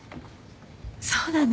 そうだね。